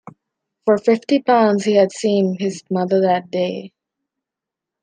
For fifty pounds he had seen his mother that day.